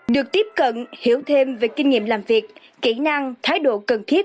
được tiếp cận hiểu thêm về kinh nghiệm làm việc kỹ năng thái độ cần thiết